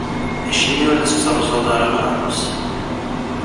Acimi ur as-tettruẓuḍ ara aqerru-s?